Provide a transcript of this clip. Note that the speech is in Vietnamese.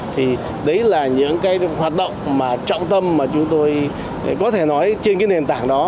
thì đấy là những cái hoạt động mà trọng tâm mà chúng tôi có thể nói trên cái nền tảng đó